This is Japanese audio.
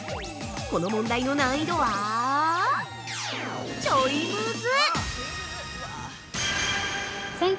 この問題の難易度はちょいムズ。